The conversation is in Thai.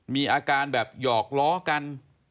มีอาการแบบหยอกล้อกัน